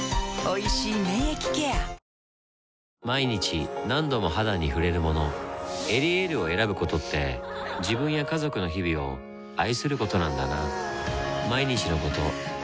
毎日何度も肌に触れるもの「エリエール」を選ぶことって自分や家族の日々を愛することなんだなぁ